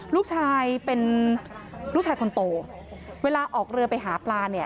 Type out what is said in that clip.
ลูกชายเป็นลูกชายคนโตเวลาออกเรือไปหาปลาเนี่ย